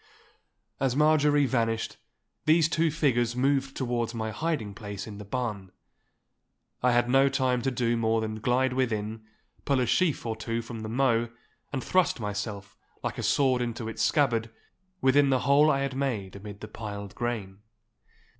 As Marjorie vanished these two figures moved towards my hiding place in the barn. I had no time to do more than glide within, pull a sheaf or two from the mow, and thrust myself, like a sword into its scabbard, within the hole I had made amid the piled grain.